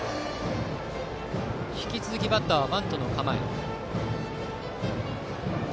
引き続きバッターはバントの構え。